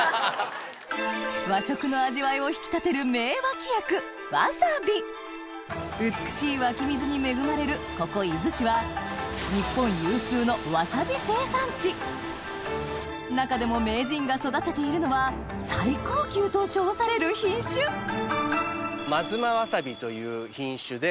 和食の味わいを引き立てる名脇役美しい湧き水に恵まれるここ伊豆市は中でも名人が育てているのは最高級と称される品種という品種で。